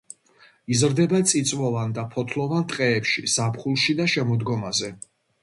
იზრდება წიწვოვან და ფოთლოვან ტყეებში ზაფხულში და შემოდგომაზე.